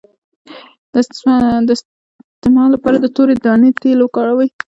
د استما لپاره د تورې دانې تېل وکاروئ